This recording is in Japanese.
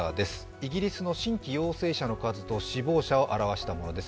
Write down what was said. イギリスの新規陽性の数と死亡者を表したものです。